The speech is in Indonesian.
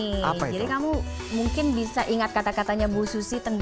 jadi kamu mungkin bisa ingat kata katanya bu susi